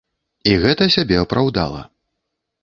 І гэта сябе апраўдала.